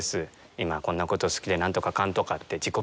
今こんなこと好きで何とかかんとか」